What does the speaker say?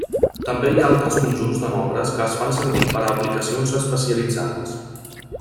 També hi ha altres conjunts de nombres que es fan servir per a aplicacions especialitzades.